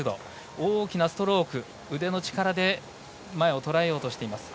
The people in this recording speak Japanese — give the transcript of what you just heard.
大きなストローク腕の力で前をとらえようとしています。